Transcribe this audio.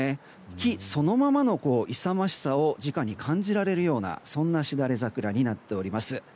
木そのままの勇ましさをじかに感じられるようなそんなしだれ桜になっております。